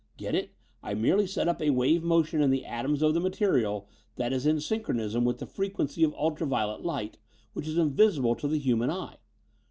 Get it? I merely set up a wave motion in the atoms of the material that is in synchronism with the frequency of ultra violet light, which is invisible to the human eye.